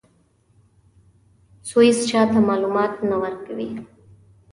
سویس چا ته معلومات نه ورکوي.